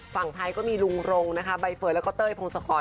ฝั่งไทยก็มีลุงรงนะคะใบเฟิร์นแล้วก็เต้ยพงศกร